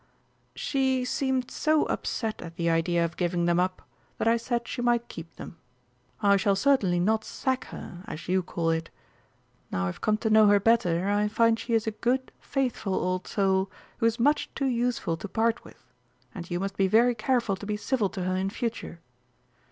"She seemed so upset at the idea of giving them up that I said she might keep them. I shall certainly not 'sack' her, as you call it. Now I've come to know her better, I find she is a good, faithful old soul who is much too useful to part with, and you must be very careful to be civil to her in future.